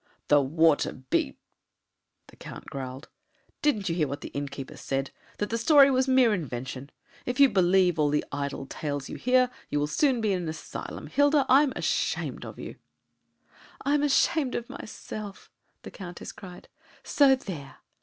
"The water be !" the Count growled. "Didn't you hear what the innkeeper said? that the story was mere invention! If you believe all the idle tales you hear, you will soon be in an asylum. Hilda, I'm ashamed of you!" "And I'm ashamed of myself," the Countess cried, "so there!"